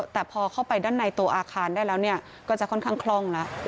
แต่พอเข้าไปด้านในตัวอาคารได้แล้วก็จะค่อนข้างคล่องแล้ว